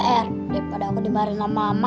eh daripada aku dimarahin sama mama